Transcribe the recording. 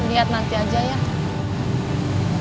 ngeliat nanti aja ya